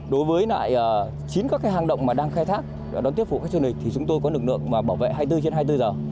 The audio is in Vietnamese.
đối với chín các hàng động đang khai thác đón tiếp vụ các chương trình thì chúng tôi có lực lượng bảo vệ hai mươi bốn trên hai mươi bốn giờ